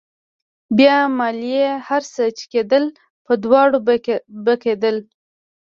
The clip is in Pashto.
بيا مالې هر څه چې کېدل په دواړو به کېدل.